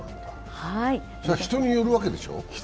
人によるわけでしょ？